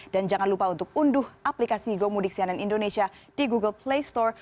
dan jangan lupa untuk unduh aplikasi gomudik cnn indonesia di google play store